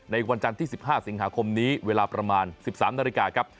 วันจันทร์ที่๑๕สิงหาคมนี้เวลาประมาณ๑๓นาฬิกาครับ